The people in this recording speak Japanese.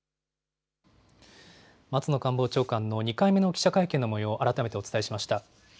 松野官房長官の２回目の記者会見のもようを改めてお伝えしました。